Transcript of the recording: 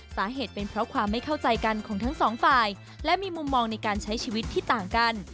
สาเหตุเป็นเพราะความไม่เข้าใจกันของทั้งสองฝ่ายและมีมุมมองในการใช้ชีวิตที่ต่างกัน